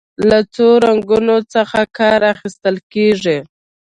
له څو رنګونو څخه کار اخیستل کیږي.